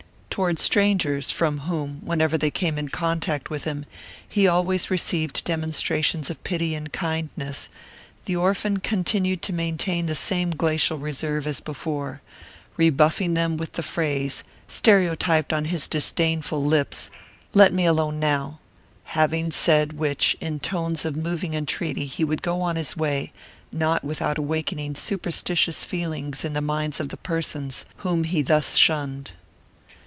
Toward strangers from whom, whenever they came in contact with him, he always received demonstrations of pity and kindness the orphan continued to maintain the same glacial reserve as before, rebuffing them with the phrase, stereotyped on his disdainful lips, "Let me alone, now;" having said which, in tones of moving entreaty, he would go on his way, not without awakening superstitious feelings in the minds of the persons whom he thus shunned.